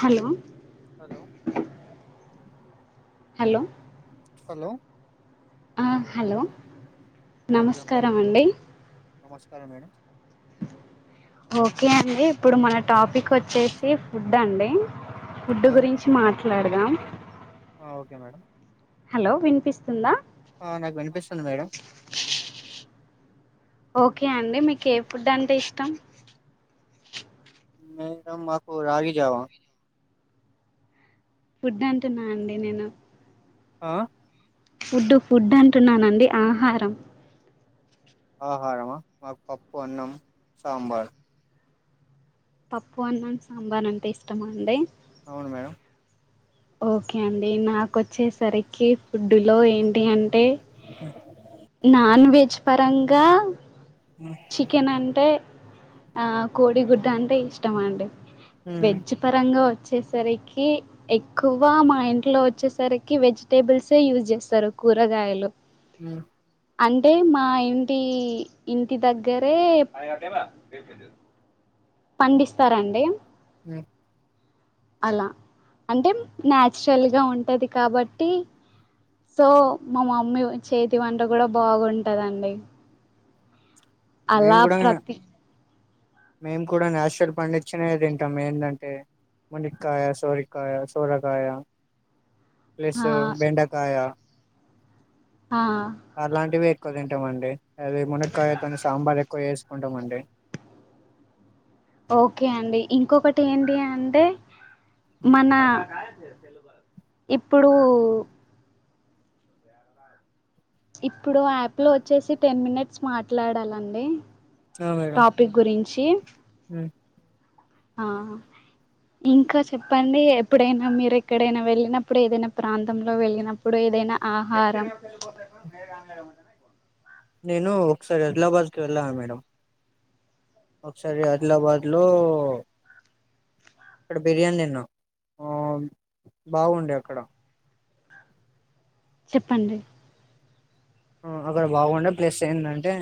Hello hello! Hello hello ఆ hello hello madam నమస్కారం అండి నమస్కారం మేడం ఓకే అండి ఇప్పుడు మన టాపిక్ వచ్చేసి ఫుడ్ అండి ఫుడ్ గురించి మాట్లాడు దమ్ ఆ ఓకే మేడం హలో వినిపిస్తుందా ఆ నాకు వినిపిస్తుంది మేడం ఓకే అండి మీకు ఏ ఫుడ్ అంటే ఇష్టం మేడం మాకు రాగి జావా ఫుడ్ అంటున్నండి నేను ఆ ఫుడ్డు ఫుడ్ అంటున్నానండి ఆహారం ఆహారమా మాకు పప్పు అన్నం సాంబార్ పప్పు అన్నం సాంబార్ అంటే ఇష్టమా అండి అవును మేడం ఓకే అండి నాకొచ్చేసరికి ఫుడ్డులో ఏంటి అంటే నాన్ వెజ్ పరంగా ఉమ్, చికెన్ అంటే ఆ కోడిగుడ్డు అంటే ఇష్టమండి ఉమ్, వెజ్ పరంగా వచ్ వచ్చేసరికి ఎక్కువ మా ఇంట్లో వచ్చేసరికి వెజిటేబుల్సే యూజ్ చేస్తారు కూరగాయలు హ అంటే మా ఇంటి.. ఇంటి దగ్గరే పండిస్తారండి హ అలా అంటే న్యాచురల్ గా ఉంటది కాబట్టి సో మా మమ్మీ చేతి వంట కూడా బాగుంటదండి అలా మేము కూడా ప్రతి మేము కూడా నేచురల్ పండించినవి తింటాం ఏందంటే మునిక్కయ సోరిక్కయ సోరకాయ ప్లస్ ఆ బెండకాయ ఆ అలాంటివి ఎక్కువ తింటామండి అవి మునకాయతోని సాంబార్ ఎక్కువ చేసుకు కొంతమంది ఓకే అండి ఇంకొకటి ఏంటి అంటే మన ఇప్పుడు ఇప్పుడు యాప్ లో వచ్చేసి టెన్ మినిట్స్ మాట్లాడాలండి ఆ, మేడం టాపిక్ గురించి ఉమ్. ఆ ఇంకా చెప్పండి, ఎప్పుడైనా మీరు ఎక్కడైనా వెళ్ళినప్పుడు ఏదైనా ప్రాంతంలో వెళ్ళినప్పుడు ఏదైనా ఆహారం నేను ఒకసారి అదిలాబాద్ కు వెళ్ళాను మేడం ఒకసారి ఆదిలాబాద్ లో ఇక్కడ బిర్యానీ తిన్న ఆ బాగుండే అక్కడ చెప్పండి ఆ అక్కడ బాగుండే ప్లస్ ఏంటంటే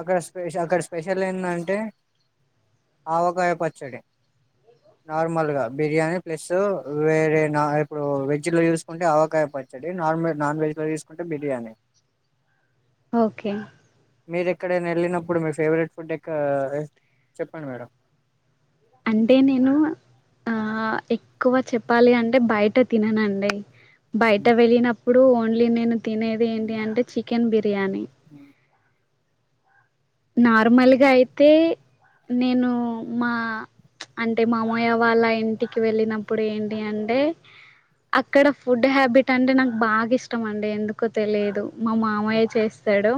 అక్కడ స్పె అక్కడ స్పెషల్ ఏంటంటే ఆవకాయ పచ్చడి, నార్మల్గా బిర్యానీ ప్లస్ వేరే నా ఇప్పుడు వెజ్లో చూసుకుంటే ఆవకాయ పచ్చడి, నార్మల్ నాన్ వెజ్లో చూసుకుంటే బిర్యానీ. ఓకే మీరు ఎక్కడ ఐనా వెళ్ళినప్పుడు మీ ఫేవరెట్ ఫుడ్ ఎక్క చెప్పండి మేడం అంటే నేను ఆ ఎక్కువ చెప్పాలి అంటే బయట తినను అండి బయట వెళ్ళిన ఇప్పుడు ఓన్లీ నేను తినేది ఏంటి అంటే చికెన్ బిర్యా బిర్యానీ నార్మల్గా అయితే, నేను మా అంటే మామయ్య వాళ్ళ ఇంటికి వెళ్ళినప్పుడు ఏంటి అంటే, అక్కడ ఫుడ్ హ్యాబిట్ అంటే నాకు బాగా ఇష్టం అండి ఎందుకో తెలియదు. మా మామయ్య చేస్తాడు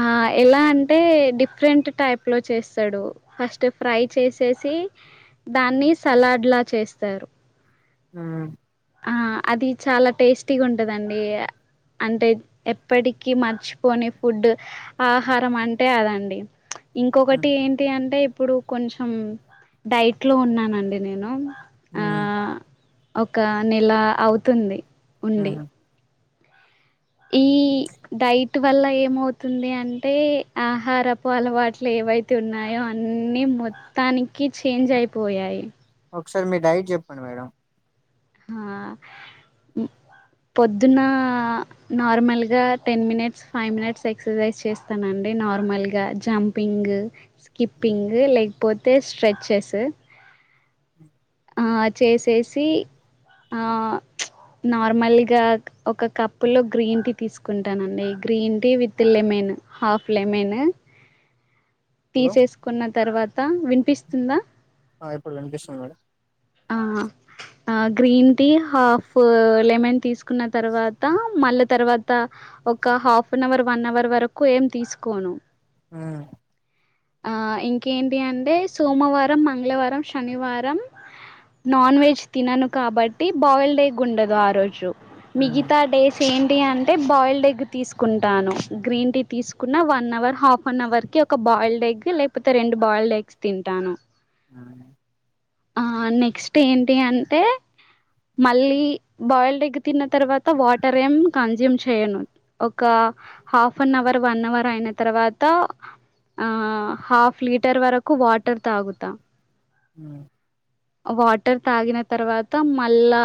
ఆ ఎలా అంటే డిఫరెంట్ టైప్ లో చేస్తాడు, ఫస్ట్ ఫ్రై చేసేసి దాన్ని సలాడ్ లా చేస్తారు ఆ ఆ అది చాలా టేస్టీగా ఉంటుందండి, అంటే ఎప్పటికీ మర్చిపోని ఫుడ్ ఆహారం అంటే అదండి. ఇంకొకటి ఏంటి అంటే ఇప్పుడు కొంచెం డైట్లో ఉన్నానండి నేను మ్ ఆ ఒక నెలా అవుతుంది ఉండి ఈ డైట్ వల్ల ఏమవుతుంది అంటే, ఆహారపు అలవాట్లు ఏవైతే ఉన్నాయో, అన్ని మొత్తానికి చేంజ్ అయిపోయాయి. ఒకసారి మీ డైట్ చెప్పండి మేడం ఆ పొద్దున్న నార్మల్గా ten minutes five minutes exercise చేస్తానండి నార్మల్ గా జంపింగ్ స్కిప్పింగ్ లైక్ పోతే స్ట్రెచ్ చేసు ఆ చేసేసి, ఆ నార్మల్గా ఒక కప్పులో గ్రీన్ టీ తీసుకుంటానండి, green tea with lemon half lemon hello తీసేసుకున్న తర్వాత వినిపిస్తుందా ఆ ఇప్పుడు వినిపిస్తుం మేడం ఆ అ గ్రీన్ టీ హాఫ్ లెమన్ తీస్ కున్న తర్వాత మళ్ళీ తర్వాత తా ఒక half an hour one hour వరకు ఏం తీసుకోను ఆ ఆ ఇంకేంటి అంటే సోమవారం మంగళవారం శనివారం నాన్ వెజ్ తినను కాబట్టి బాయిల్డ్ అయ ఉండదు ఆ రోజు మ్మ్ మిగితా డేస్ ఏంటి అంటే బాయిల్డ్ ఎగ్ తీసుకుంటాను. గ్రీన్ టీ తీసుకున్న, one hour half an hour కి ఒక బాయిల్డ్ ఎగ్ లేకపోతే రెండు బాయిల్డ్ ఎగ్స్ తింటాను. ఆ ఆ నెక్స్ట్ ఏంటి అంటే మళ్ళీ, బాయిల్డ్ ఎగ్ తిన్న తర్వాత వాటర్ ఏం కన్జ్యూమ్ చేయను, ఒక half an hour one hour అయిన తర్వాత, ఆ హాఫ్ లీటర్ వరకు వాటర్ తాగుతా. అ వాటర్ తాగిన తర్వాత మళ్ళా,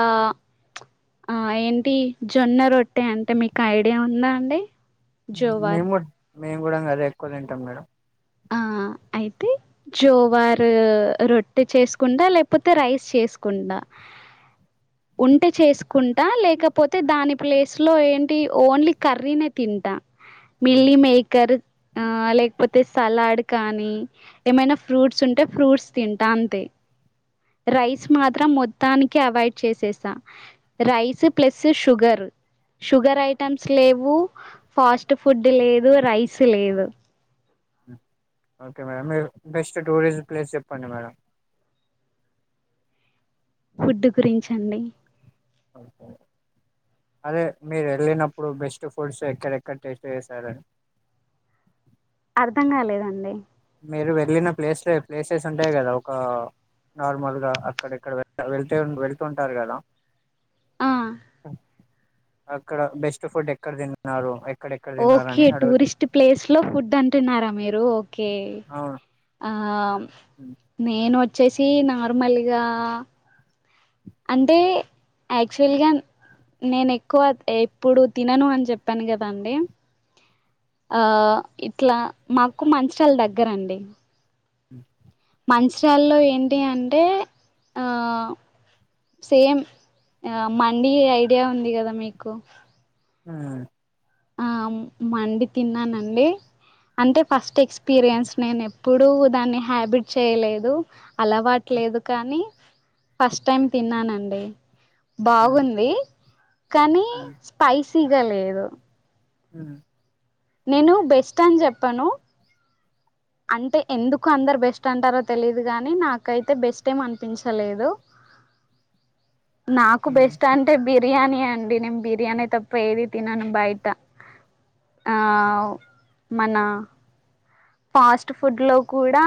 ఆ ఏంటి జొన్న రొట్టె అంటే మీకు ఐడియా ఉందా అండి. హు మేం జోవార్ కూడ్ మేము కూడా అంగ అదే ఎక్కువ తింటాం మేడం ఆ అయితే జోవారు రొట్టె చేసుకుంటా, లేకపోతే రైస్ చేసుకుంటా ఉంటె చేసుకుంటా లేకపోతే, దాని ప్లేస్ లో ఏంటి ఓన్లీ కర్రీనే తింటా. హ్మ్. మిల్లీ మేకర్ ఆ లేకపోతే స్ సలాడ్ కానీ ఏమైనా ఫ్రూట్స్ ఉంటే ఫ్రూట్స్ తింటా, అంతే రైస్ మాత్రం మొత్తానికి అవాయిడ్ చేసేసా, rice plus sugar, sugar items లేవు, ఫాస్ట్ ఫుడ్ లేదు, రైస్ లేదు. ఓకే మేడం మీ బెస్ట్ టూరిస్ట్ ప్లేస్ చెప్పండి మేడం ఫుడ్ గురించండి అదే మీరు వెళ్ళినప్పుడు బెస్ట్ ఫుడ్స్ ఎక్కడెక్కడ టేస్ట్ చేసారన్ అర్ధం కాలేదండి మీరు వెళ్ళిన ప్లేస్ ప్లేసెస్ ఉంటాయి కదా. ఒక నార్మల్గా అక్కడక్కడ వె వెళ్త వెళ్తుూ ఉంటారు కదా. ఆ అక్కడ బెస్ట్ ఫుడ్ ఎక్కడ తిన్నారు ఎక్ ఓకే టూరిస్ట్ ప్లేస్ లో ఫుడ్ అంటున్నారా మీరు ఓకే అవును ఆ ఆ హ్మ్. నను వచ్చేసి నార్మల్గా అంటే యాక్చువల్గా నేను ఎక్కువ ఎప్పుడు తినను అని చెప్పాను కదాండి ఆ ఇట్లా మాకు మంచి వాళ్ళ దగ్గరండి హ మంచరాలో ఏంటి అంటే సేమ్ మండి ఐడియా ఉంది కదా మీకు హ ఆ మండి తిన్నానండి అంటే ఫస్ట్ ఎక్స్పీరియన్స్ నేను ఎప్పుడూ దాన్ని హ్యాబిట్ చేయలేదు హ్మ్. అలవాట్లేదు కానీ ఫస్ట్ టైం తిన్నానండి హ్మ్. బాగుంది కానీ స్పైసి స్పైసీగా లేదు ఉ నేను బెస్ట్ అని చెప్పాను అంటే ఎందుకు అందరు బెస్ట్ అంటారో తెలిదు గాని నాకైతే బెస్ట్ ఏం అనిపించలేదు నాకు బెస్ట్ హ్మ్. అంటే బిర్యానీ హే అండి నేను బిర్యానీ తప్ప ఏది తినను బయట, ఆ మన ఫాస్ట్ ఫుడ్ లో కూడా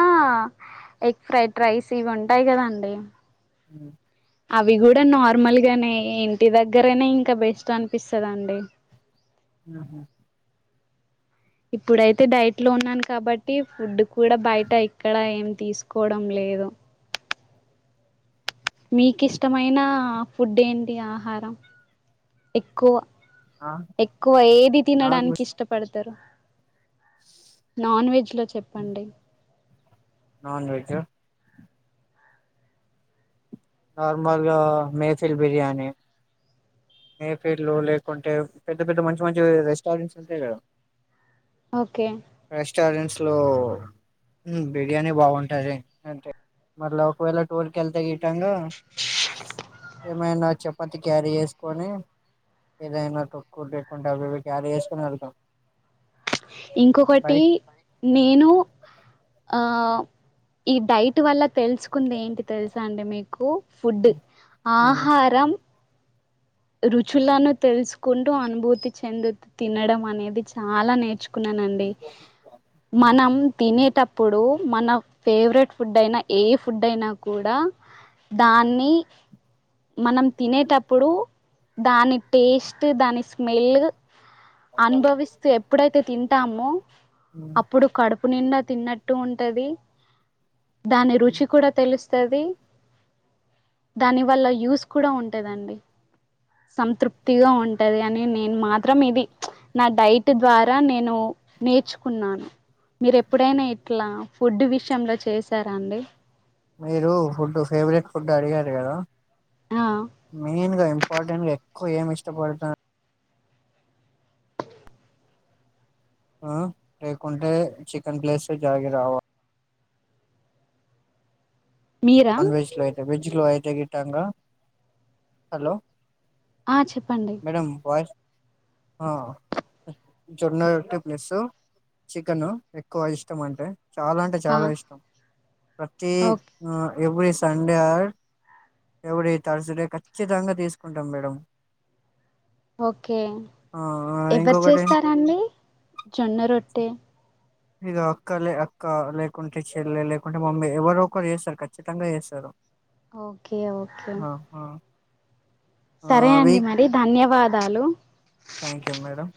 ఎగ్ ఫ్రైడ్ రైస్ ఇవి ఉంటాయి కదండి ఉ అవి కూడా నార్మల్గానే ఇంటి దగ్గరనే ఇంకా బెస్ట్ అనిపిస్తుందండి ఆహా ఇప్పుడైతే డైట్ లో ఉన్నాను కాబట్టి ఫుడ్ కూడా బయట ఇక్కడ ఏం తీసుకోవడం లేదు మీకు ఇష్టమైన ఫుడ్ ఏంటి ఆహారం ఎక్కువ ఆ! ఎక్కువ ఏది తినడానికి నాకు ఇష్టపడుతు ఇస్తారు నాన్ వెజ్ లో చెప్పండి నాన్ వెజ్ నార్మల్ గా మేసిల్ బిర్యానీ మేఫీల్లు లేకుంటే పెద్ద పెద్ద మంచి మంచి రెస్టారెంట్స్ ఉంటాయి కదా ఓకే రెస్టారెంట్స్ అట్లో బిర్యానీ బాగుంటది అంటే మళ్ళ ఒకవేళ టూర్ క వెళ్తే గిటంగా ఏమైనా చపాతి క్యారీ చేస్త కొని ఏదైనా తక్కు లేకుండా అవి ఇవి క్యారీ చేసుకొని వెళ్తాం ఇంకొకటి బయట నేను ఆ ఈ డైట్ వల్ల తెలుసుకుంది ఏంటి తెలుసా అంటే మీకు ఫుడ్ ఆహారం రుచులను తెలుసుకుంటూ అనుభూతి చెందుతూ తినడం అనేది చాలా నేర్చు న్నానండి మనం తినేటప్పు అప్పుడు మన ఫేవరెట్ ఫుడ్ అయినా ఏ ఫుడ్ అయినా కూడా దాన్ని మనం తినేటప్పుడు దాని టేస్ట్ దాని స్మెల్ అనుభవిస్తూ ఎప్పుడైతే తింటామో అప్పుడు కడుపు తప్పు నిండా తిన్నట్టు ఉంటది దాని రుచి కూడా తెలుస్తు దాని వల్ల యూస్ కూడా ఉంటదండి సంతృప్తిగా ఉంటు ఉంటది అని నేను మాత్రం ఇది నా డైట్ ద్వారా నేను నేర్చుకున్నాను మీరు ఎప్పుడైనా ఇట్లా ఫుడ్ విషయంలో చేసారాండి మీరు ఫుడ్ ఫేవరెట్ ఫుడ్ అడిగారు కదా ఆ మెయిన్ ఇంపర్టెంట్ కొ ఏం ఇష్టపడట ఆ లేకుంటే చికెన్ ప్లేస్ జాగి రావాలి మీరా నన్ వెజ్ లో వెజ్ గాంగా హలో ఆ చెప్పండి మేడం వాయిస్ ఆ జొన్నట్టి ప్లస్ చికెన్ ఎక్కువ ఇష్టం అంటే చాలా అంటే ఆ చాలా ఇష్టం ప్రతి ఓక్ every Sunday or every Thursday ఖచ్చితంగా తీసుకుంటాం మేడం. ఓకే ఆ ఎవరు ఇంకొకటి చేస్తారండి జొన్న రొట్టె ఇగ అక్క లే అక్క లేకుంటే చెల్లె, లేకుంటే మమ్మీ, ఎవరో ఒకరు చేస్తారు ఖచ్చితంగా చేస్తారు. ఓకే ఓకే ఆ ఆ ఆ సరే అండి వీక్ మరి ధన్యవా దాలు థ్యాంక్ యూ మేడం.